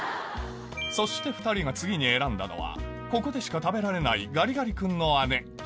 そして２人が次に選んだのはここでしか食べられない